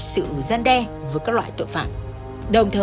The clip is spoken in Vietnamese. sự gian đe với các loại tội phạm đồng thời